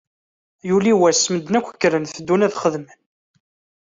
Yuli wass, medden akk kkren, teddun ad xedmen.